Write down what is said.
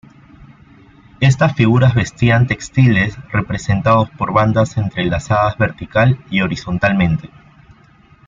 Estas figuras vestían textiles representados por bandas entrelazadas vertical y horizontalmente.